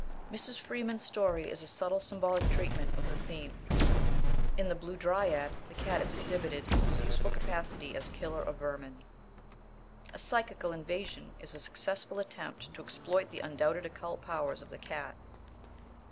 Mrs. Freeman's story is a subtle symbolic treatment of the theme. In The Blue Dryad the cat is exhibited in his useful capacity as a killer of vermin. A Psychical Invasion is a successful attempt to exploit the undoubted occult powers of the cat.